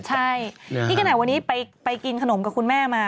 ใช่นี่ขนาดวันนี้ไปกินขนมกับคุณแม่มา